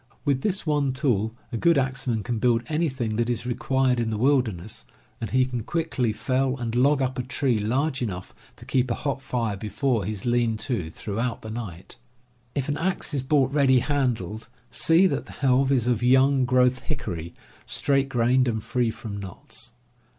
With this one tool a good axeman can build any thing that is required in the wilderness, and he can quickly fell and log up a tree large enough to keep a hot fire before his lean to throughout the night. If an axe is bought ready handled, see that the helve is of young growth hickory, straight grained, and free from knots.